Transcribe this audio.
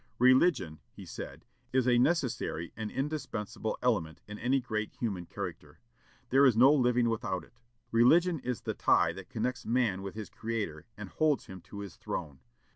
"Religion," he said, "is a necessary and indispensable element in any great human character. There is no living without it. Religion is the tie that connects man with his Creator, and holds him to his throne.